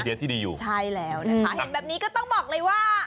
ใช่แล้วนะคะเห็นแบบนี้ก็ต้องบอกเลยว่า